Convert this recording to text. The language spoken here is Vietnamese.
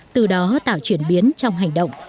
từ đó tạo chuyển biến trong hành động